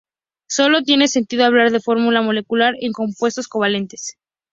Sólo tiene sentido hablar de fórmula molecular en compuestos covalentes.